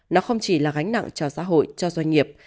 nó không chỉ là gánh nặng cho xã hội cho doanh nghiệp